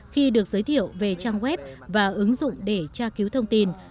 khi được giới thiệu về trang web và ứng dụng để tra cứu thông tin